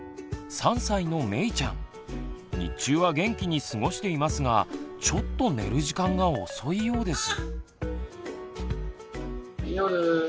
３歳のめいちゃん日中は元気に過ごしていますがちょっと寝る時間が遅いようです。